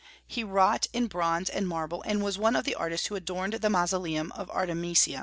He wrought in bronze and marble, and was one of the artists who adorned the Mausoleum of Artemisia.